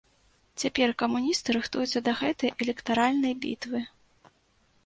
Цяпер камуністы рыхтуюцца да гэтай электаральнай бітвы.